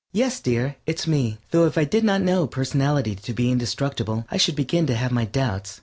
_) Yes, dear, it's me, though if I did not know personality to be indestructible I should begin to have my doubts.